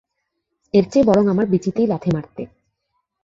এরচেয়ে বরং আমার বিচিতেই লাথি মারতে।